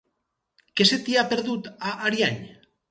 Què se t'hi ha perdut, a Ariany?